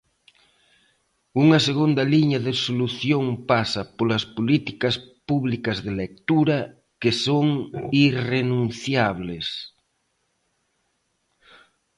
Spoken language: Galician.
Unha segunda liña de solución pasa "polas políticas públicas de lectura, que son irrenunciables".